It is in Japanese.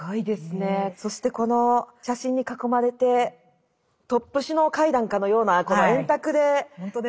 そしてこの写真に囲まれてトップ首脳会談かのようなこの円卓で。